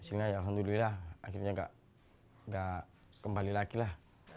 hasilnya ya alhamdulillah akhirnya gak kembali lagi lah